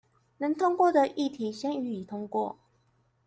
能通過的議題先予以通過